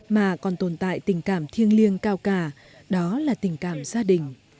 mà còn tồn tại tình cảm thiêng liêng cao cả đó là tình cảm gia đình